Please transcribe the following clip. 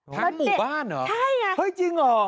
ทั้งหมู่บ้านเหรอเฮ่ยจริงหรอใช่่งั้น